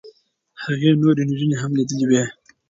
هغې نورې نجونې هم لیدلې وې.